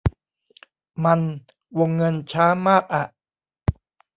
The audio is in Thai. มัน วงเงินช้ามากอะ